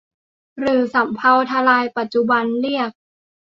หรือสำเภาทะลายปัจจุบันเรียก